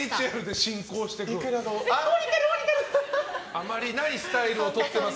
あまりないスタイルをとってます。